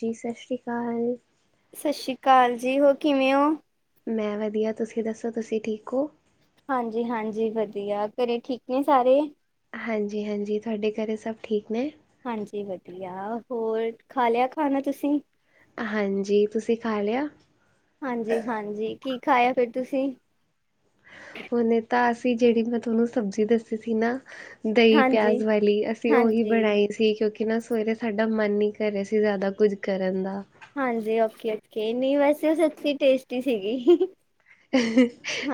ਜੀ ਸਸ ਰੀ ਕਾਲ। ਸਸ ਰੀ ਕਾਲ ਜੀ ਹੋਰ ਕਿਵੇਂ ਓਂ? ਮੈਂ ਵਦੀਆ ਤੁਸੀਂ ਦੱਸੋ ਤੁਸੀਂ ਠੀਕ ਓਂ। ਹਾਂਜੀ-ਹਾਂਜੀ ਵਦੀਆ ਘਰੇ ਠੀਕ ਨੇ ਸਾਰੇ। ਹਾਂਜੀ-ਹਾਂਜੀ, ਥੁਆਡੇ ਘਰ ਸਭ ਠੀਕ ਨੇ। ਹਾਂਜੀ ਵਦੀਆ ਹੋਰ ਖਾ ਲਿਆ ਖਾਨਾ ਤੁਸੀਂ। ਹਾਂਜੀ, ਤੁਸੀਂ ਖਾ ਲਿਆ। ਹਾਂਜੀ-ਹਾਂਜੀ ਕੀ ਖਾਏਆ ਫੇਰ ਤੁਸੀਂ। ਓਨੇ ਤਾਂ ਅਸੀਂ ਜੇੜੀ ਮੈਂ ਥੋਨੂੰ ਸਬਜ਼ੀ ਦੱਸੀ ਸੀ ਨਾ ਦਹੀਂ ਪਿਆਜ਼ ਹਾਂਜੀ-ਹਾਂਜੀ। ਵਾਲੀ, ਅਸੀਂ ਉਹੀ ਬਣਾਈ ਸੀ ਕਿਉਂਕਿ ਨਾ ਸਵੇਰੇ ਸਾਡਾ ਮਨ ਨਹੀਂ ਕਰ ਰਿਹਾ ਸੀ, ਜ਼ਿਆਦਾ ਕੁਝ ਕਰਨ ਦਾ। ਹਾਂਜੀ ਓਕੇ -ਓਕੇ ਨਹੀਂ ਵੈਸੇ ਉਹ ਸੱਚੀ ਟੇਸਟੀ ਸੀਗੀ।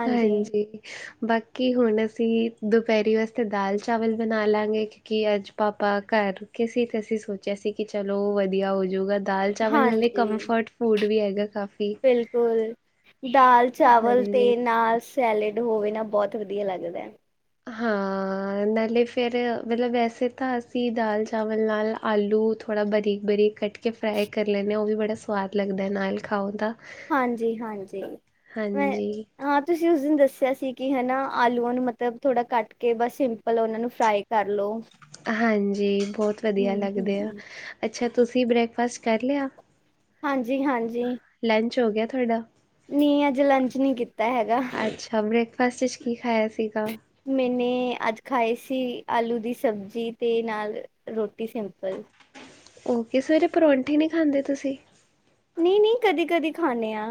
ਹਾਂਜੀ। ਬਾਕੀ ਹੁਣ ਅਸੀਂ ਦੁਪਹਿਰੀ ਵਾਸਤੇ ਦਾਲ ਚਾਵਲ ਬਣਾ ਲਾਂਗੇ। ਕਿ ਅੱਜ ਪਾਪਾ ਘਰ ਰੁਕੇ ਸੀ, ਤੇ ਅਸੀਂ ਸੋਚਿਆ ਸੀ ਕਿ ਚਲੋ ਵਧੀਆ ਹੋਜੂਗਾ। ਦਾਲ ਚਾਵਲ ਨਾਲੇ ਹਾਂਜੀ-ਹਾਂਜੀ, ਕੰਫਰਟ ਫੂਡ ਵੀ ਹੈਗਾ ਕਾਫੀ। ਬਿਲਕੁਲ, ਦਾਲ ਚਾਵਲ ਤੇ ਹਾਂਜੀ। ਨਾਸ। ਸੈਲਡ ਹੋਵੇ ਨਾ ਬਹੁਤ ਵਧੀਆ ਲੱਗਦਾ। ਹਾਂ, ਨਾਲੇ ਫੇਰ ਮਤਲਬ ਵੈਸੇ ਤਾਂ ਅਸੀਂ ਦਾਲ ਚਾਵਲ ਨਾਲ ਆਲੂ ਥੋ੍ਹਾ ਬਰੀਕ -ਬਰੀਕ ਕੱਟ ਕੇ ਫਰਾਈ ਕਰ ਲੈਦੇ ਹਾਂ, ਉਹ ਵੀ ਬੜਾ ਸਵਾਦ ਲੱਗਦਾ ਨਾਲ ਖਾਓ ਤਾਂ। ਹਾਂਜੀ, ਹਾਂਜੀ ਮੈਂ ਹਾਂਜੀ, ਹਾਂ, ਤੁਸੀਂ ਉਸ ਦਿਨ ਦੱਸਿਆ ਸੀ ਕਿ ਹਨਾ, ਆਲੂਆਂ ਨੂੰ ਮਤਲਬ ਥੋੜ੍ਹਾ ਕੱਟ ਕੇ ਬਸ ਸਿੰਪਲ ਉਹਨਾਂ ਨੂੰ ਫਰਾਈ ਕਰਲੋ। ਹਾਂਜੀ, ਬਹੁਤ ਵਧੀਆ ਲੱਗਦੇ ਆ। ਹੂੰ। ਅੱਛਾ, ਤੁਸੀਂ ਬ੍ਰੇਕਫਾਸਟ ਕਰ ਲਿਆ। ਹਾਂਜੀ, ਹਾਂਜੀ। ਲੰਚ ਹੋ ਗਿਆ ਤੁਹਾਡਾ? ਨੀਂ, ਅੱਜ ਲੰਚ ਨਈਂ ਕੀਤਾ ਹੈਗਾ। ਅੱਛਾ ਮੇ [unintelligible] ਕੀ ਖਾਇਆ ਸੀਗਾ? ਮੈਨੇ, ਅੱਜ ਖਾਏ ਸੀ ਆਲੂ ਦੀ ਸਬਜ਼ੀ ਤੇ ਨਾਲ ਰੋਟੀ ਸਿੰਪਲ। ਓਕੇ ਸਵੇਰੇ ਪਰੌਂਠੀ ਨ੍ਹੀਂ ਖਾਂਦੇ ਤੁਸੀਂ। ਨ੍ਹੀਂ ਨ੍ਹੀਂ, ਕਦੇ-ਕਦੀ ਖਾਂਣੇ ਆਂ।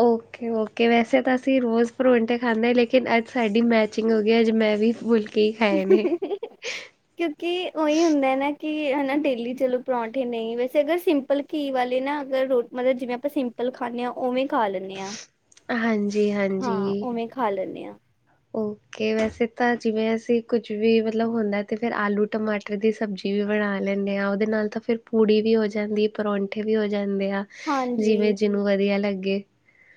ਓਕੇ ਓਕੇ ਵੈਸੇ ਤਾਂ ਅਸੀਂ ਰੋਜ਼ ਪਰੋਂਂਠੇ ਖਾਂਦੇ ਲੇਕਿਨ ਅੱਜ ਸਾਡੀ ਮੈਚ ਚਿਂਗ ਹੋਗੀ ਅੱਜ ਮੈਂ ਵੀ ਫੁਲਕੇ ਈ ਖਾਏ ਨੇ। ਕਿਉਂਕਿ ਉਹੀ ਹੁੰਦਾ ਨਾ ਕਿ ਹਨਾਂ ਡੇਲੀ ਚਲੋ ਪਰੌਂਠੇ ਨਈਂ ਵੈਸੇ ਅਗਰ ਸਿੰਪਲ ਘੀ ਵਾਲੇ ਨਾ ਅਗਰ ਰੋ ਮਤਲਬ ਜਿਵੇਂ ਆਪਾਂ ਸਿੰਪਲ ਖਾਂਦੇ ਹਾਂ ਉਵੇਂ ਖਾ ਲੈਂਣੇ ਆਂ। ਹਾਂਜੀ ਹਾਂਜੀ, ਖਾ ਲੈਂਦੇ ਹਾਂ ਓ। ਕੇ ਵੈਸੇ ਤਾਂ ਜਿਵੇਂ ਅਸੀਂ ਕੁੱਝ ਵੀ ਮਤਲਬ ਹੁੰਦਾ ਤੇ ਫੇਰ ਆਲੂ ਟਮਾਟਰ ਦੀ ਸਬਜ਼ੀ ਰ ਵੀ ਬਣਾ ਲੈਂਦੇ ਆਾਂ ਉਹਦੇ ਨਾਲ ਤਾਂ ਫਿਰ ਪੂੜੀ ਵੀ ਹੋ ਜਾਂਦੀ, ਪਰੌਂਠੇ ਵੀ ਹੋ ਜਾਂਦੇ ਆ। ਹਾਂਜੀ ਜਿਵੇਂ ਜਿਹਨੂੰ ਵਧੀਆ ਲੱਗੇ।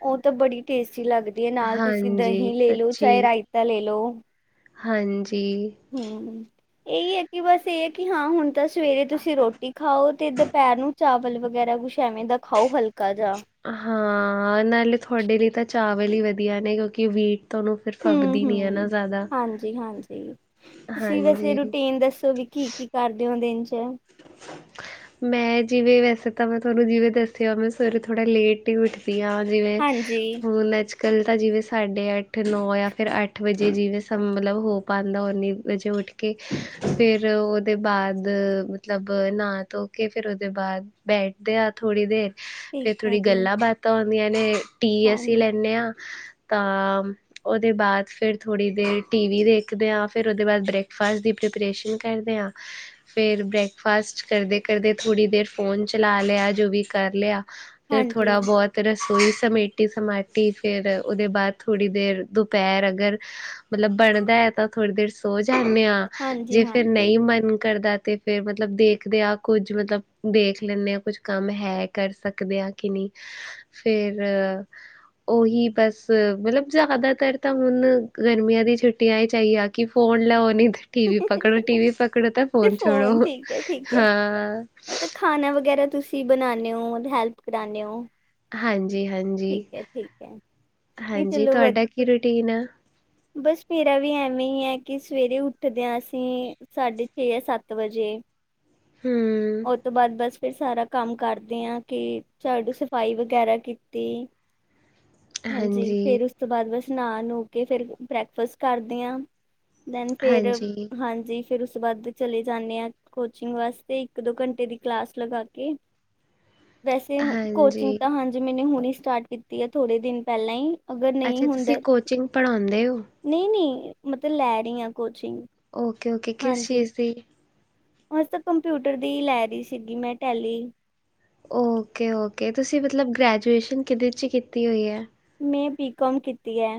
ਉਹ ਤਾਂ ਬੜੀ ਟੇਸਟੀ ਲੱਗਦੀ ਐ, ਨਾਲ ਤੁਸੀਂ ਹਾਂਜੀ ਦਹੀਂ ਲੈ ਲਓ, ਸੱਚੀ ਚਾਹੇ ਰਾਇਤਾ ਲੈ ਲਓ। ਹਾਂਜੀ। ਹਂ। ਇਹੀ ਐ ਕਿ ਬਸ ਇਹ ਐ ਕਿ ਹਾਂ ਹੁਣ ਤਾਂ ਸਵੇਰੇ ਤੁਸੀਂ ਰੋਟੀ ਖਾਓ ਤੇ ਦੁਪਹਿਰ ਨੂੰ ਚਾਵਲ ਵਗੈਰਾ ਕੁਛ ਐਵੇਂ ਦਾ ਖਾਓ ਹਲਕਾ ਜਿਹਾ। ਹਾਂ ਨਾਲੇ ਤੁਹਾਡੇ ਲਈ ਤਾਂ ਚਾਵਲ ਹੀ ਵਧੀਆ ਨੇ ਕਿਉਂਕਿ ਵੀਟ ਤੁਹਾਨੂੰ ਫਿਰ ਹਂ, ਫੱਬਦੀ ਨੀ ਹੈ ਨਾ ਹਂ, ਜ਼ਿਆਦਾ। ਹਾਂਜੀ ਹਾਂਜੀ ਤੁਸੀਂ ਵੈਸੇ ਹਾਂਜੀ। ਰੂਟੀਨ ਦੱਸੋ ਵੀ ਕੀ ਕੀ ਕਰਦੇ ਹੋ ਦਿਨ ਚ ਮੈਂ ਜਿਵੇਂ ਵੈਸੇ ਤਾਂ ਮੈਂ ਤੁਹਾਨੂੰ ਜਿਵੇਂ ਦੱਸਿਆ ਮੈਂ ਸਵੇਰੇ ਥੋੜ੍ਹਾ ਲੇਟ ਟੀ ਉੱਠਦੀ ਆ ਜਿਵੇਂ ਹਾਂਜੀ ਫੋਣ ਨਜ ਗੱਲ ਤਾਂ ਜਿਵੇਂ ਸਾਢੇ ਅੱਠ ਨੌ ਜਾਂ ਫਿਰ ਅੱਠ ਵਜੇ ਜਿਵੇਂ ਸਮ ਮਤਲਬ ਹੋ ਪਾਂਦਾ ਉਨੀ ਵਜੇ ਉੱਠ ਕੇ ਕੇ ਫਿਰ ਉਹਦੇ ਬਾਅਦ ਮਤਲਬ ਨਾ ਧੋ ਕੇ ਫਿਰ ਉਹਦੇ ਬਾਅਦ ਬੈਠਦੇ ਆ ਥੋੜ੍ਹੀ ਦੇਰ ਠੀਕ ਫੇਰ ਹੈ ਥੋੜ੍ਹੀ ਜੀ ਗੱਲਾਂ ਬਾਤ ਤਾਂ ਹੁੰਦੀਆਂ ਨੇ ਟੀ ਹਾਂ ਅਸੀਂ ਲੈਂਦੇ ਆਂ ਤਾਂ ਉਹਦੇ ਬਾਅਦ ਫੇਰ ਥੋੜੀ ਦੇਰ ਟੀ ਵੀ ਦੇਖਦੇ ਆਂ ਫੇਰ ਉਹਦੇ ਬਾਅਦ ਬ੍ਰੇਕਫਾਸਟ ਦੀ ਪ੍ਰੀਪਰੇਸ਼ਨ ਕਰਦੇ ਆਂ ਫਿਰ ਬ੍ਰੇਕ ਫਾਸਟ ਕਰਦੇ-ਕਰਦੇ, ਥੋੜ੍ਹੀ ਦੇਰ ਫੋਨ ਚਲਾ ਲਿਆ ਜੋ ਵੀ ਕਰ ਲਿਆ ਫਿਰ ਹਾਂਜੀ ਥੋੜ੍ਹਾ ਬੋਤ ਰਸੋਈ ਸਮੇਟੀ ਸਮਾਟੀ ਫਿਰ ਉਹਦੇ ਬਾਅਦ ਥੋੜ੍ਹੀ ਦੇਰ ਦੁਪਹਿਰ ਅਗਰ ਮਤਲਬ ਬਣਦਾ ਐ ਤਾਂ ਥੋੜ੍ਹੀ ਦੇਰ ਸੋ ਜਾਂਣੇ ਆਂ। ਹਾਂਜੀ ਜੇ ਫੇਰ ਹਾਂਜੀ ਨਈਂ ਮਨ ਕਰਦਾ ਤੇ ਫੇਰ ਮਤਲਬ ਮਤਲਬ ਦੇਖਦੇ ਆ ਕੁੱਝ ਮਤਲਬ ਦੇਖ ਲੈਂਣੇ ਆਂ ਕੁੱਝ ਕੰਮ ਹੈ ਕਰ ਸਕਦੇ ਹਾਂ ਕਿ ਨ੍ਹੀਂ। ਫੇਰ ਉਹੀ ਬਸ ਮਤਲਬ ਜ਼ਿਆਦਾਤਰ ਤਾਂ ਹੁਣ ਗਰਮੀਆਂ ਦੀ ਛੁੱਟੀਆਂ ਈ ਚਾਹੀ ਆ ਕਿ ਫੋਨ ਲਾਓ ਨੀ ਤੇ ਟੀ ਵੀ ਪਕੜੋ, ਟੀ ਵੀ ਪਕੜੋ ਤਾਂ ਤੇ ਫੋਨ ਛੋੜੋ। ਠੀਕ ਠੀਕ ਐ, ਹਾਂ ਮਤਲਬ ਖਾਣਾ ਵਗੈਰਾ ਤੁਸੀਂ ਬਣਾਣੇ ਓਂ ਹੈਲਪ ਕਰਾਣੇ ਓਂ। ਹਾਂਜੀ, ਹਾਂਜੀ, ਹੈ ਨਹੀਂ ਹਾਂਜੀ, ਚਲੋ ਵਧ ਤੁਹਾਡਾ ਕੀ ਰੂਟੀਨ ਆ। ਬਸ, ਮੇਰਾ ਵੀ ਐਵੇ ਹੀ ਹੈ, ਕਿ ਸਵੇਰੇ ਉੱਠਦੇ ਹਾਂ ਅਸੀਂ। ਸਾਢੇ ਛੇ, ਸੱਤ ਵਜੇ, ਹਮ ਉਹ ਤੋਂ ਬਾਅਦ ਬਸ ਫਿਰ ਸਾਰਾ ਕੰਮ ਕਰਦੇ ਆ, ਕਿ ਝਾੜੂ ਸਫ਼ਾਈ ਵਗੈਰਾ ਕੀਤੀ। ਹਾਂਜੀ, ਫੇਰ ਉਸ ਤੋਂ ਬਾਅਦ, ਬਸ ਨਹਾ ਨੂ ਕੇ ਫੇਿਰ ਬ੍ਰੈਕਫਸਟ ਕਰਦੇ ਆ। ਦੈਨ, ਫੇਰ ਹਾਂਜੀ ਹਾਂਜੀ। ਫਿਰ ਉਸ ਤੋਂ ਬਾਅਦ ਚਲੇ ਜਾਂਦੇ ਹਾਂ, ਕੋਚਿੰਗ ਵਾਸਤੇ ਇੱਕ ਦੋ ਘੰਟੇ ਦੀ ਕਲਾਸ ਲਗਾ ਕੇ। ਵੈਸੇ ਕੋਚਿੰਗ ਹਾਂਜੀ ਤਾਂ ਹਾਂਜੀ, ਮੈਨ ਹੁਣ ਸਟਾਰਟ ਕੀਤੀ ਆ, ਥੋੜੇ ਦਿਨ ਪਹਿਲਾਂ ਹੀ। ਅਗਰ ਨਹੀਂ ਅੱਛਾ, ਤੁਸੀਂ ਹੁੰਦਾ ਕੋਚਿੰਗ ਪੜ੍ਹਾਉਂਦੇ ਹੋ। ਨਹੀਂ -ਨਹੀਂ ਮਤਲਬ ਲੈ ਰਹੀ ਹਾਂ ਕੋਚਿੰਗ। ਓਕੇ -ਓਕੇ ਕਿਸ ਚੀਜ਼ ਦੀ। ਹੁਨ, ਤਾਂ ਕੰਪਿਊਟਰ ਦੀ ਹੀ ਲੈ ਰਹੀ ਸੀਗੀ, ਮੈਂ ਟਹਿਲੀ। ਓਕੇ -ਓਕੇ, ਤੁਸੀਂ ਮਤਲਬ ਗ੍ਰੈਜੂਏਸ਼ਨ ਕਿਹਦੇ ਚ ਕੀਤੀ ਹੋਈ ਹੈ? ਮੈਂ ਬੀਕਾਮ ਕੀਤੀ ਹੈ।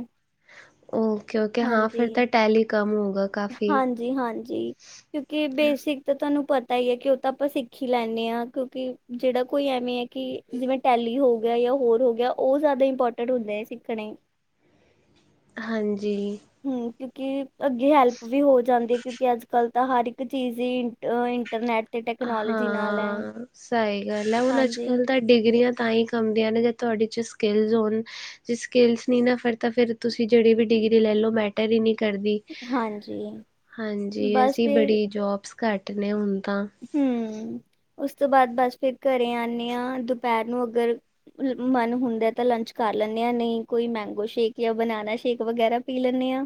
ਓਕੇ -ਓਕੇ ਹਾਂ ਹਾਂਜੀ ਫਿਰ ਤਾਂ ਟੈਲੀ ਕਮ ਹੋਗਾ ਕਾਫ਼ੀ। ਜੀ ਹਾਂਜੀ। ਕਿਉਂਕਿ ਬੇਸਿਕ ਤਾਂ, ਤੁਹਾਨੂੰ ਪਤਾ ਹੀ ਹੈ, ਕਿ ਉਹ ਤਾਂ ਆਪਾਂ ਸਿੱਖ ਹੀ ਲੈਂਦੇ ਹਾਂ ਕਿਉਂਕਿ ਜਿਹੜਾ ਕੋਈ ਐਵੇਂ ਹੈ, ਕਿ ਜਿਵੇਂ ਟੈਲੀ ਹੋ ਗਿਆ ਜਾਂ ਹੋਰ ਹੋ ਗਿਆ, ਉਹ ਜ਼ਿਆਦਾ ਇੰਪੋਰਟੈਂਟ ਹੁੰਦੈ ਸਿੱਖਣੇ। ਹਾਂਜੀ। ਹਮ ਕਿਉਂਕਿ ਅੱਗੇ ਹੈਲਪ ਵੀ ਹੋ ਜਾਂਦੀ ਹੈ, ਕਿਉਂਕਿ ਅੱਜ ਕੱਲ੍ਹ ਤਾਂ ਹਰ ਇੱਕ ਚੀਜ਼ ਹੀ ਇੰ ਇੰਟਰਨੈਟ! ਤੇ ਟੈਕਨੋਲੋਜੀ ਨਾਲ ਹੈ ਹਾਂ, ਸਹੀ ਗੱਲ ਹੈ, ਹੁਣ ਅੱਜ ਹਾਂਜੀ ਕੱਲ ਦਾ। ਡਿਗਰੀਆਂ ਤਾਂ ਹੀ ਕੰਮ ਦੀਆਂ ਨੇ ਜਾਂ ਤੁਹਾਡੇ ਚ ਸਕਿੱਲਜ਼ ਹੋਣ। ਜੇ ਸਕਿਲਸ ਨਹੀਂ ਨਾ, ਫਿਰ ਤਾਂ ਫਿਰ ਤੁਸੀਂ ਜਿਹੜੇ ਵੀ ਡਿਗਰੀ ਲੈਲੋ ਮੈ ਟਰੀ ਨੀ ਕਰਦੀ, ਹਾਂਜੀ ਹਾਂਜੀ, ਬਸ ਅਸੀਂ ਫਿਰ ਬੜੀ ਜੋਬਸ ਘੱਟ ਨੇ ਹੁਣ ਤਾਂ। ਹੂੰ ਉਸ ਤੋਂ ਬਾਅਦ ਬਸ ਫਿਰ ਘਰੇ ਆਨੇ ਹਾਂ, ਦੁਪਹਿਰ ਨੂੰ ਅਗਰ ਮਨ ਹੁੰਦਾ ਤਾਂ ਲੰਚ ਕਰ ਲੈਂਦੇ ਹਾਂ, ਨਹੀਂ ਕੋਈ ਮੈਂਗੋ ਸ਼ੇਕ ਜਾਂ ਬਨਾਨਾ ਸ਼ੇਕ ਵਗੈਰਾ। ਪੀ ਲੇਨੇ ਆ।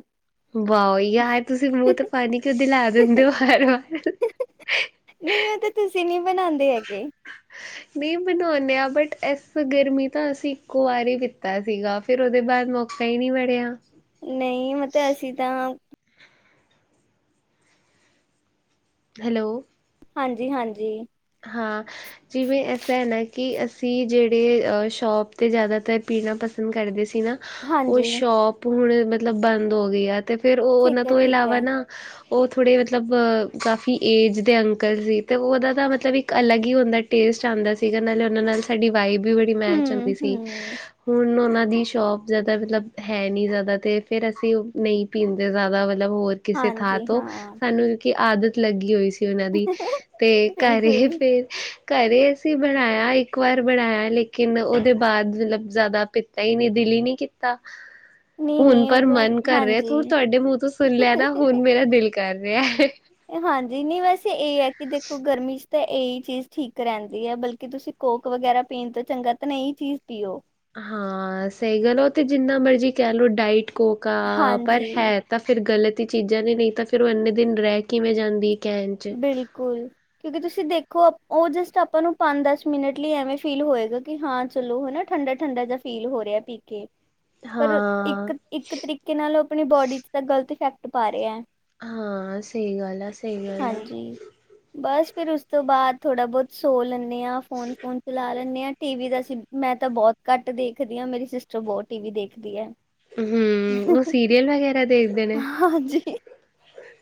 ਵਾਹ, ਯਾਰ, ਤੁਸੀਂ ਮੂੰਹ ਤੇ ਪਾਣੀ ਕਿਉਂ ਦਿਲਾ ਦਿੰਦੇ ਹੋ, ਵਾਰ -ਵਾਰ। ਨਹੀਂ, ਉਹ ਤਾਂ ਤੁਸੀਂ ਨਹੀਂ, ਬਣਾਉਂਦੇ ਹੈਗੇ। ਨਹੀਂ, ਬਣਾਉਂਦੇ ਹਾਂ, ਬਟ ਇਸ ਗਰਮੀ ਤਾਂ ਅਸੀਂ ਇੱਕੋ ਵਾਰ ਹੀ ਪੀਤਾ ਸੀਗਾ। ਫਿਰ ਉਹਦੇ ਬਾਅਦ, ਮੌਕਾ ਹੀ ਨਹੀਂ ਮਿੜਿਆ। ਨਹੀਂ, ਮਤਲਬ ਅਸੀਂ ਤਾਂ ਹੈਲੋ। ਹਾਂਜੀ, ਹਾਂਜੀ। ਹਾਂ। ਜਿਵੇਂ ਐਸਾ ਹੈ ਨਾ, ਕਿ ਅਸੀਂ ਜਿਹੜੇ ਸ਼ੋਪ ਤੇ ਜ਼ਿਆਦਾਤਰ ਪੀਣਾ ਪਸੰਦ ਕਰਦੇ ਸੀ ਨਾ ਉਹ ਹਾਂਜੀ ਹਾਂਜੀ ਸ਼ੋਪ ਹੁਣ ਮਤਲਬ ਬੰਦ ਹੋ ਗਈ ਆ, ਤੇ ਫੇਰ ਉਹ ਉਹਨਾਂ ਠੀਕ ਐ ਤੋਂ ਠੀਕ ਐ ਇਲਾਵਾ ਨਾ ਉਹ ਥੋੜੇ ਮਤਲਬ ਕਾਫੀ ਏਜ ਦੇ ਅੰਕਲ ਸੀ, ਤੇ ਉਹਦਾ ਦਾ ਵ ਮਤਲਬ ਇੱਕ ਅਲੱਗ ਹੀ ਹੁੰਦਾ, ਟੇਸਟ ਆਉਂਦਾ ਸੀਗਾ, ਨਾਲੇ ਉਹਨਾਂ ਨਾਲ ਸਾਡੀ ਵਾਈਬ ਵੀ ਬੜੀ ਮੈਚ ਹੁੰਂਦੀ ਸੀ। ਹੂੰ-ਹੂੰ। ਹੁਣ, ਉਹਨਾਂ ਦੀ ਸ਼ੋਪ ਜ਼ਿਆਦਾ ਮਤਲਬ ਹੈ ਨਹੀਂ, ਜ਼ਿਆਦਾ ਤੇ ਫੇਰ ਅਸੀਂ ਨਹੀਂ ਪੀਂਦੇ ਜ਼ਿਆਦਾ ਮਤਲਬ ਹੋਰ ਕਿਸੇ ਥਾਂ ਹਾਂਜੀ ਤੋਂ, ਹਾਂ ਸਾਨੂੰ ਕੇ ਆਦਤ ਲੱਗੀ ਹੋਈ ਸੀ ਉਹਨਾਂ ਦੀ ਤੇ ਬਿਲਕੁਲ ਫੇਰ ਘਰੇ ਅਸੀਂ ਬਣਾਇਆ, ਇੱਕ ਵਾਰ ਬਣਾਇਆ, ਲੇਕਿਨ ਉਹਦੇ ਬਾਅਦ ਮਤਲਬ ਜ਼ਿਆਦਾ ਪ ਨਈ, ਨੀ ਦਿਲ ਹੀ ਨਹੀਂ ਕੀਤਾ। [inaudible] ਹੁਣ ਪਰ ਬਸ ਮਨ ਕਰ ਰਿਹਾ ਹੁਣ ਹਾਂਜੀ। ਤੁਹਾਡੇ ਮੂੰਹ ਤੋਂ ਸੁਣ ਲਿਆ ਨਾ, ਹੁਣ ਮੇਰਾ ਦਿਲ ਕਰ ਰਿਹਾ ਹੈ। ਹਾਂਜੀ ਨਹੀਂ ਵੈਸੇ ਇਹ ਹੈ ਕਿ ਦੇਖੋ, ਗਰਮੀ 'ਚ ਤਾਂ ਇਹੀ ਚੀਜ਼ ਠੀਕ ਰਹਿੰਦੀ ਹੈ ਬਲਕਿ ਤੁਸੀਂ ਕੋਕ ਵਗੈਰਾ ਪੀਣ ਤੋਂ ਚੰਗਾ ਤਾਂ ਇਹ ਹੀ ਚੀਜ਼ ਪੀਓ। ਹਾਂ ਸਹੀ ਗੱਲ ਹੈ ਉਹ ਤੇ ਜਿੰਨਾ ਮਰਜ਼ੀ ਕਹਿ ਲਓ, ਡਾਇਟ ਕੋਕ ਆ ਪਰ ਹਾਂਜੀ ਹੈ ਤਾਂ ਫਿਰ ਗ਼ਲਤ ਹੀ ਚੀਜ਼ਾਂ ਦੀ ਨਹੀਂ, ਤਾਂ ਫਿਰ ਉਹ ਇੰਨੇ ਦਿਨ ਰਹਿ ਕਿਵੇਂ ਜਾਂਦੀ ਹੈ ਕੇਨ ਚ ' ਕੋਕ ਕਿਉਂਕਿ ਤੁਸੀਂ ਦੇਖੋ, ਉਹ ਜਸਟ ਆਪਾਂ ਨੂੰ ਪੰਜ ਦਸ ਮਿੰਟ ਲਈ ਐਵੇਂ ਫੀਲ ਹੋਏਗਾ ਕਿ ਹਾਂ ਚਲੋ, ਹਨਾ ਠੰਡਾ ਠੰਡਾ ਜਿਹਾ ਫੀਲ ਹੋ ਰਿਹਾ ਪੀ ਕੇ ਪਰ ਇੱਕ, ਹਾਂ ਇੱਕ ਤਰੀਕੇ ਨਾਲ ਆਪਣੀ ਬੋਡੀ ਚ' ਤਾਂ ਗ਼ਲਤ ਇਫੈਕਟ ਪਾ ਰਿਹਾ ਹੈ। ਹਾਂ, ਸਹੀ ਗੱਲ ਆ। ਸਹੀ ਗੱਲ ਆ ਹਾਂਜੀ, ਬਸ ਫਿਰ ਉਸ ਤੋਂ ਬਾਅਦ ਥੋੜ੍ਹਾ ਬਹੁਤ ਸੋ ਲੈਂਦੇ ਹਾਂ, ਫੋਨ ਫੁਨ ਚਲਾ ਲੈਂਦੇ ਹਾਂ, ਟੀ ਵੀ ਦਾ ਅਸੀਂ ਮੈਂ ਤਾਂ ਬਹੁਤ ਘੱਟ ਦੇਖਦੀ ਹਾਂ, ਮੇਰੀ ਸਿਸਟਰ ਬਹੁਤ ਟੀ ਵੀ ਦੇਖਦੀ ਆ। ਹਮ, ਉਹ ਸੀਰੀਅਲ ਵਗੈਰਾ ਦੇਖਦੇ ਨੇ? ਹਾਂਜੀ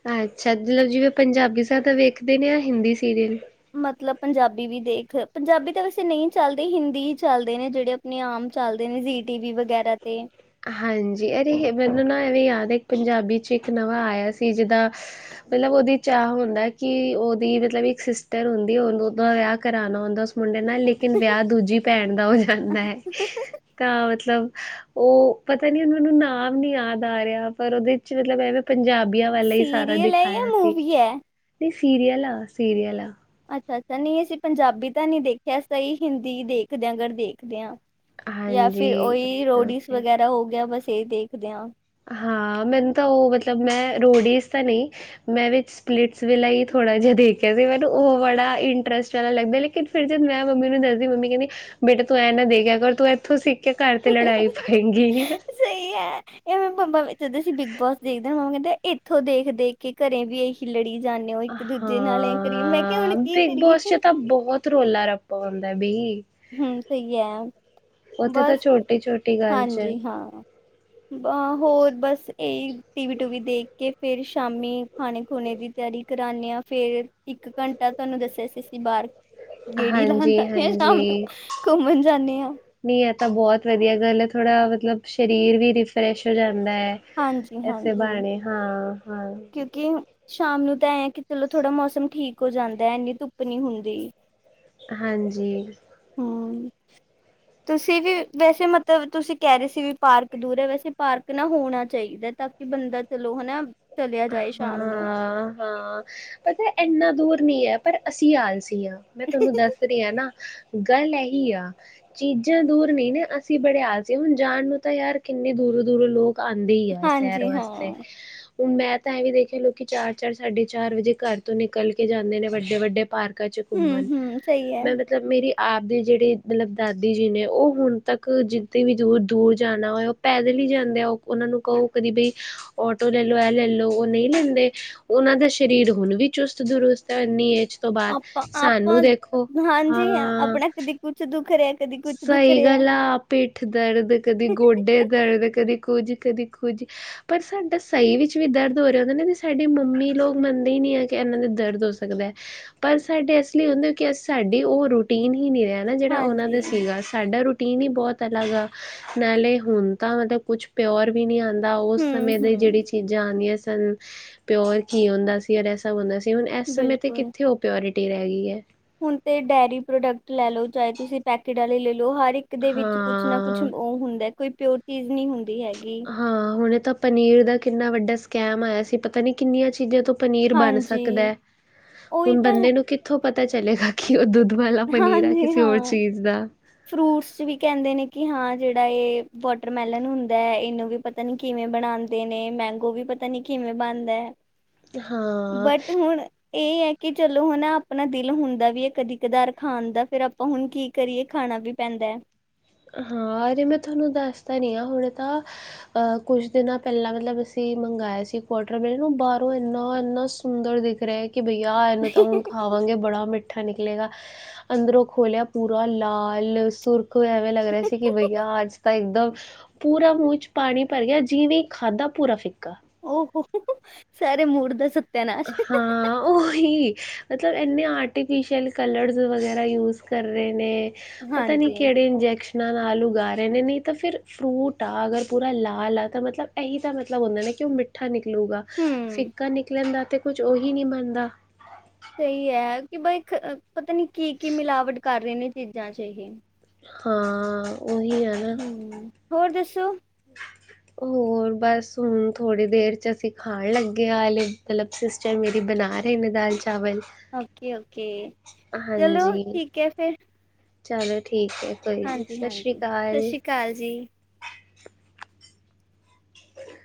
ਅੱਛਾ, ਮਤਲਬ ਜਿਵੇਂ ਪੰਜਾਬੀ ਜਿਆਦਾ ਵੇਖਦੇ ਨੇ, ਆ ਹਿੰਦੀ ਸੀਰੀਅਲ? ਮਤਲਬ ਪੰਜਾਬੀ ਵੀ ਦੇਖ, ਪੰਜਾਬੀ ਤਾਂ ਵੈਸੇ ਨਹੀਂ ਚੱਲਦੇ, ਹਿੰਦੀ ਹੀ ਚੱਲਦੇ ਨੇ ਜਿਹੜੇ ਣੇ ਆਮ ਚੱਲਦੇ ਨੇ ਜੀ ਟੀ ਵੀ ਵਗੈਰਾ ਤੇ। ਹਾਂਜੀ, ਅਰੇ ਮੈਨੂੰ ਨਾ ਐਵੇਂ ਯਾਦ ਹੈ ਇੱਕ ਪੰਜਾਬੀ 'ਚ ਇੱਕ ਨਵਾਂ ਆਇਆ ਸੀ ਜਿੱਦਾ ਮਤਲਬ ਉਹਦੀ 'ਚ ਆ ਹੁੰਦਾ ਕਿ ਉਹਦੀ ਮਤਲਬ ਇੱਕ ਸਿਸਟਰ ਹੁੰਦੀ, ਉਹਨੂੰ ਦਾ ਵਿਆਹ ਕਰਾਉਣਾ ਹੁੰਦਾ ਮੁੰਡੇ ਨਾਲ, ਲੇਕਿਨ ਵਿਆਹ ਦੂਜੀ ਭੈਣ ਦਾ ਹੋ ਜਾਂਦਾ ਹੈ ਤਾਂ ਮਤਲਬ ਉਹ ਪਤਾ ਨੀ ਹ ਮੈਨੂੰ ਨਾਮ ਨੀ ਯਾਦ ਆ ਰਿਹਾ, ਪਰ ਉਹਦੇ 'ਚ ਮਤਲਬ ਐਵੇਂ ਪੰਜਾਬੀ ਵਾਲਾ ਹੀ ਸਾਰਾ ਸੀਰੀਅਲ ਹੈ ਜਾਂ ਦਿਖਾਇਆ ਸੀ, ਮੂਵੀ ਹੈ ਨਹੀਂ ਸੀਰੀਅਲ ਆ, ਸੀਰੀਅਲ ਆ। ਅੱਛਾ ਅੱਛਾ ਨਹੀਂ ਅਸੀਂ ਪੰਜਾਬੀ ਤਾਂ ਨੀ ਦੇਖਿਆ, ਤਾਂਹੀ ਹਿੰਦੀ ਦੇਖਦੇਿਆਂ ਅਗਰ ਦੇਖਦੇ ਹਾਂ। ਜਾਂ ਫਿਰ ਹਾਂਜੀ ਉਹੀ ਓਕੇ ਰੋਡੀਸ ਓਕੇ ਵਗੈਰਾ ਹੋ ਗਿਆ, ਬਸ ਇਹ ਦੇਖਦੇ ਹਾਂ। ਹਾਂ ਮੈਨੂੰ ਤਾਂ ਉਹ ਮਤਲਬ ਮੈਂ ਰੋਡੀਜ਼ ਤਾਂ ਨਹੀਂ, ਮੈਂ ਵਿੱਚ ਸਪਲਿਟਸ ਵੇਲਾ ਹੀ ਥੋੜਾ ਜਿਹਾ ਦੇਖਿਆ ਸੀ, ਮੈਨੂੰ ਉਹ ਬੜਾ ਇੰਟਰਸਟ ਵਾਲਾ ਲੱਗਦਾ ਲੇਕਿਨ ਫਿਰ ਜਦ ਮੈਂ ਮੰਮੀ ਨੂੰ ਦੱਸਦੀ, ਮੰਮੀ ਕਹਿੰਦੀ ਬੇਟਾ ਤੂੰ ਐ ਨਾ ਦੇਖਿਆ ਕਰ, ਤੂੰ ਇੱਥੋਂ ਸਿੱਖ ਘਰ ਤੇ ਲੜਾਈ ਪਾਏਗੀ ਹੀ। ਸਹੀ ਹੈ। ਇਹਵੇ ਮੰਮਾ ਵੇਖਦੇ ਦੇ ਸੀ ਬਿਗ ਬੋਸ ਦੇਖਦੇ ਹ, ਮੰਮਾ ਕਹਿੰਦੇ ਇੱਥੋਂ ਦੇਖ ਦੇਖ ਕੇ ਘਰੇ ਵੀ ਇਹੀ ਕਿ ਲੜੀ ਜਾਂਦੇ ਹੋ ਇੱਕ ਦੂਜੇ ਨਾਲ ਕਰੀ ਏ, ਮੈਂ ਕਿਹਾ ਹੁਣ ਹਾਂ ਕੀ ਬਿਗ ਕਰੀਏ? ਬੋਸ ਚ ਤਾਂ ਬਹੁਤ ਰੋਲਾ ਰੱਪਾ ਆਉਂਦਾ ਬਈ ਹਮ ਸਹੀ ਹੈ, ਉੱਥੇ ਤਾਂ ਬਸ, ਛੋਟੀ-ਛੋਟੀ ਗੱਲ ਚ ਹਾਂਜੀ ਹਾਂ ਬ ਹੋਰ ਬਸ ਇਹੀ ਟੀਵੀ ਟੂਵੀ ਦੇਖ ਕੇ, ਫੇਰ ਸ਼ਾਮੀ ਖਾਣੇ ਖੂਣੇ ਦੀ ਤਿਆਰੀ ਕਰਾਂਦੇ ਹਾਂ ਫੇਰ, ਇੱਕ ਘੰਟਾ ਤੁਹਾਨੂੰ ਦੱਸਿਆ ਸੀ ਅਸੀਂ ਬਾਹਰ ਗੇੜੀ ਲਾਉਣ ਜਾਂਦੇ ਹਾਂ ਸ਼ਾਮ ਨੂੰ, ਹਾਂਜੀ-ਹਾਂਜੀ। ਘੁੰਮਣ ਜਾਂਦੇ ਹਾਂ। ਨਹੀਂ ਇਹ ਤਾਂ ਬਹੁਤ ਵਧੀਆ ਗੱਲ ਹੈ ਥੋੜਾ ਮਤਲਬ, ਸ਼ਰੀਰ ਵੀ ਰਿੀਫਰੈਸ਼ ਹੋ ਜਾਂਦਾ ਹੈ। ਐਸੇ ਹਾਂਜੀ-ਹਾਂਜੀ ਬਾਣੇ, ਹਾਂ ਹਾਂ ਕਿ, ਸ਼ਾਮ ਨੂੰ ਤਾਂ ਐ ਆ ਕਿ ਚਲੋ ਥੋੜਾ ਮੌਸਮ ਠੀਕ ਹੋ ਜਾਂਦਾ ਹੈ ਇੰਨੀ ਧੁੱਪ ਨੀ ਹੁੰਦੀ। ਹਾਂਜੀ। ਹਮ। ਤੁਸੀਂ ਵੀ ਵੈਸੇ ਮਤਲਬ ਤੁਸੀਂ ਕਹਿ ਰਹੇ ਸੀ ਵੀ ਪਾਰਕ ਦੂਰ ਹੈ, ਵੈਸੇ ਪਾਰਕ ਨਾ ਹੋਣਾ ਚਾਹੀਦਾ ਤ ਤਦ ਬੰਦਾ ਚਲੋ, ਹਨਾ ਚਲਿਆ ਜਾਏ ਸ਼ਾਮ ਨੂੰ ਹਾਂ ਹਾਂ ਪਤੈ, ਇੰਨਾ ਦੂਰ ਨਹੀਂ ਐ, ਪਰ ਅਸੀਂ ਆਲਸੀ ਆਂ, ਮੈਂ ਤੁਹਾਨੂੰ ਦੱਸ ਰਹੀ ਆਂ ਨਾ। ਗੱਲ ਇਹੀ ਆ। ਚੀਜ਼ਾਂ ਦੂਰ ਨਹੀਂ ਨਾ ਅਸੀਂ ਬੜੇ ਆਲਸੀ ਆ, ਹੁਣ ਜਾਣ ਨੂੰ ਤਾਂ ਯਾਰ ਕਿੰਨੇ ਦੂਰੋ-ਦੂਰੋ ਲੋਕ ਆਂਦੀ ਆ, ਹਾਂਜੀ ਸੈਰ ਵਾਸਤੇ। ਹਾਂ, ਹੁਣ ''ਮੈਂ ਤਾਂ ਐਵੀ ਦੇਖਿਆ ਲੋਕ ਚਾਰ-ਚਾਰ, ਸਾਢੇ-ਚਾਰ ਵਜੇ ਘਰ ਤੋਂ ਨਿਕਲਕੇ ਜਾਂਦੇ ਨੇ ਵੱਡੇ-ਵੱਡੇ ਪਾਰਕ ਚ ਘੁੰਮਣ ਹੂੰ-ਹੂੰ ਸਹੀ ਐ ਮੈਂ ਮਤਲਬ, ਮੇਰੀ ਆਪ ਦੇ ਜਿਹੜੇ ਮਤਲਬ ਦਾਦੀ ਜੀ ਨੇ ਉਹ ਹੁਣ ਤੱਕ ਜਿੱਥੇ ਵੀ ਦੂਰ-ਦੂਰ ਜਾਣਾ ਹੋਇਆ ਪੈਦਲ ਉ ਜਾਂਦੇ ਆ ਉਹ, ਉਹਨਾਂ ਨੂੰ ਕਹੋ ਕਦੀ ਬਈ ਆਟੋ ਲੈ ਐ ਲੈ ਲਓ, ਉਹ ਨਹੀਂ ਲੈਂਦੇ ਉਹਨਾਂ ਦਾ ਸਰੀਰ ਹੁਣ ਵੀ ਚੁਸਤ ਦੁਰੁਸਤ ਹੈ ਇੰਨੀ ਏਜ'ਚ। ਉਸ ਤੋਂ ਬਾਅਦ, ਆਪਾਂ ਸਾਨੂੰ ਆਪਾਂ ਦੇਖੋ ਹਾਂ ਕੁੱਛ ਦੁੱਖ ਰਿਹਾ ਕਦੀ ਕੁਛ ਦੁੱਖ ਸਹੀ ਰਿਹਾ। ਗੱਲ ਆ, ਪਿੱਠ ਦਰਦ, ਕਦੀ ਗੋਡੇ ਦਰਦ, ਕਦੀ ਕੁਝ, ਕਦੀ ਕੁਝ। ਪਰ ਸਾਡਾ ਸਹੀ ਵਿੱਚ ਵੀ ਦਰਦ ਹੋ ਰਿਹਾ ਹੁੰਦਾ ਨੇ, ਤੇ ਸਾਡੀ ਮੰਮੀ ਲੋਕ ਮੰਨਦੇ ਹੀ ਨਹੀਂ ਆ ਕਿ, ਇਹਨਾਂ ਦੇ ਦਰਦ ਹੋ ਸਕਦਾ। ਪਰ ਸਾਡੇ ਇਸ ਲਈ ਹੁੰਦੇ, ਹੋ ਕਿ ਸਾਡੀ ਉਹ ਰੂਟੀਨ ਹੀ ਨਹੀਂ ਰਹਿਣ ਨਾ ਜਿਹੜਾ ਉਹਨਾਂ ਹਾਂਜੀ ਦਾ ਸੀਗਾ, ਸਾਡਾ ਰੂਟੀਨ ਹੀ ਬਹੁਤ ਅਲੱਗ ਆ, ਨਾਲੇ ਹੁਣ ਤਾਂ ਮਤਲਬ ਕੁੱਛ ਪਿਓਰ ਵੀ ਨਹੀਂ ਆਂਦਾ, ਉਸ ਸਮੇਂ ਦੀ ਜਿਹੜੀ ਹੂੰ-ਹੂੰ ਚੀਜ਼ਾਂ ਆਂਦੀਆ ਸਨ, ਪਿਓਰ ਕੀ ਹੁੰਦਾ ਸੀ। ਸ ਹੁੰਦਾ ਸੀ, ਹੁਣ ਇਸ ਸਮੇਂ ਤੇ ਬਿਲਕੁਲ ਕਿੱਥੇ ਉਹ ਪਿਓਰਿਟੀ ਰਹਿ ਗਈ ਐ। ਹੁਣ ਤੇ ਡੇਅਰੀ ਪ੍ਰੋਡਕਟ ਲੈਲੋ, ਚਾਹੇ ਤੁਸੀ ਪੈਕਟ ਵਾਲੇ ਲੇਲੋ, ਹਰ ਇੱਕ ਦੇ ਵਿੱਚ ਕੁਛ ਨਾ ਕੁਛ ਹਾਂ ਉਹ ਹੁੰਦਾ, ਕੋਈ ਪਿਓਰ ਚੀਜ਼ ਨਹੀਂ ਹੁੰਦੀ ਹੈਗੀ। ਹਾਂ, ਹੁਣ ਤਾਂ ਪਨੀਰ ਦਾ ਕਿੰਨਾ ਵੱਡਾ ਸਕੈਮ ਆਇਆ ਸੀ ਪਤਾ ਨੀ ਕਿੰਨੀਆਂ ਚੀਜ਼ਾਂ ਤੋਂ ਪਨੀਰ ਬਣ ਹਾਂਜੀ ਸਕਦੈ, ਉਹੀ ਹੁਣ ਤਾਂ ਹੈ ਬੰਦੇ ਨੂੰ ਕਿ ਕਿੱਥੋਂ ਪਤਾ ਚਲੇਗਾ, ਕਿ ਉਹ ਦੁੱਧ ਵਾਲਾ ਪਨੀਰ ਆ ਕਿਸੇ ਹੋਰ ਚੀਜ਼ ਦਾ। ਫਰੂਟਸ'ਚ ਵੀ ਕਹਿੰਦੇ ਨੇ, ਕਿ ਹਾਂ ਜਿਹੜਾ ਇਹ ਵਾਟਰਮੈਲਨ ਹੁੰਦਾ ਐ ਇਹਨੂੰ ਵੀ ਪਤਾ ਨੀ ਕਿਵੇਂ ਬਣਾਂਦੇ ਨੇ, ਮੈਂਗੋ ਵੀ ਪਤਾ ਨੀ ਕਿਵੇਂ ਬਣਦੈ। ਹਾਂ ਬਟ, ਹੁਣ ਇਹ ਐ ਕਿ, ਚਲੋਂ ਹਨਾ ਆਪਨਾ ਦਿਲ ਹੁੰਦਾ ਵੀ ਇਹ ਕਦੀ-ਕਧਾਰ ਖਾਣ ਦਾ, ਫੇਰ ਆਪਾਂ ਹੁਣ ਕੀ ਕਰੀਏ ਖਾਣਾ ਵੀ ਪੈਂਦੈ। ਹਾਂ, ਅਰੇ ''ਮੈਂ ਥੋਨੂੰ ਦੱਸਤਾ ਰਹੀਂ ਆ, ਹੁਣ ਤਾ ਅ, ਕੁੱਛ ਦਿਨਾਂ ਪਹਿਲਾਂ ਮਤਲਬ ਅਸੀਂ ਮੰਗਾਇਆ ਸੀ, ਕੁਆਟਰ ਬੇ ਨੂੰ ਬਾਹਰੋਂ ਇੰਨਾ-ਇੰਨਾ ਸੁ- ਸੁੰਦਰ ਦਿਖ ਰਿਹਾ, ਕਿ ਭਈਆ ਇਹਨੂੰ ਤਾਂ ਹੁਣ ਖਾ ਖਾਵਾਂਗੇ ਬੜਾ ਮਿੱਠਾ ਨਿਕਲੇਗਾ, ਅੰਦਰੋਂ ਖੋਲਿਆ ਪੂਰਾ ਲਾਲ, ਸੁਰਖ ਐ ਐਵੇਂ ਲੱਗ ਰਿਹਾ ਸੀ ਕਿ ਬਈਆ, ਅੱਜ ਤਾ ਇੱਕਦਮ ਪੂਰਾ ਮੂੰਹ'ਚ ਪਾਣੀ ਭਰ ਗਿਆ, ਜਿਵੇਂ ਖਾਧਾ ਪੂਰਾ ਫਿੱਕਾ। ਓ ਹੋ, ਸਾਰੇ ਮੁੜ ਦਾ ਸ ਹਾਂ ਓਹੀ, ਮਤਲਬ ਇੰਨੇ ਆਰਟੀਫਿਸ਼ਅਲ ਕਲਰਜ਼ ਵਗੈਰਾ ਯੂਜ਼ ਕਰ ਰਹੇ ਨੇ। ਪਤਾ ਨੀ ਹਾਂਜੀ ਕਿਹੜੇ ਇੰਜੈਕਸ਼ ਨਾਲ ਉਗਾ ਰਹੇ ਨੇ, ਨਹੀਂ ਤਾਂ ਫਿਰ ਫਰੂਟ ਆ ਅਗਰ ਪੂਰਾ ਲਾਲ ਆ, ਤਾਂ ਮਤਲਬ ਇਹੀ ਤਾਂ ਮਤਲਬ ਹੁੰਦਾ ਨੇ ਕਿ ਉਹ ਮਿੱ ਠਾ ਨਿਕਲੂਗਾ, ਹਮ ਫਿੱਕਾ ਨਿਕਲਣ ਦਾ ਤੇ ਕੁੱਝ ਉਹੀ ਨੀ ਬਣਦਾ। ਸਹੀ ਹੈ, ਕਿ ਬਈ ਪਤਾ ਨੀ ਕੀ-ਕੀ ਮਿਲਾਵਟ ਕਰ ਰਹੇ ਨੇ ਚੀਜ਼ਾਂ'ਚ ਏਹ। ਹਾਂ, ਉਹੀ ਆ। ਨਾ ਹੂੰ, ਹੋਰ ਦੱਸੋ? ਹੋਰ‌ ਬਸ ਹੁਣ, ਥੋੜੀ ਦੇਰ'ਚ ਅਸੀਂ ਖਾਣ ਲੱਗੇ ਆਂ, ਹਲੈ ਮਤਲਬ ਤੁ ਚਰ ਮੇਰੀ ਬਨਾ ਰਹੇ ਨੇ ਦਾਲ-ਚਾਵਲ। ਓਕੇ ਓਕੇ, ਚਲੋ ਠੀਕ ਐ ਫੇਰ। ਚਲੋਂ ਠੀਕ ਐ, ਕੋਈ ਨੀ ਸਾਸ਼੍ਰੀਕਾਲ। ਕਾਲ ਜੀ। ਹ [inaudible]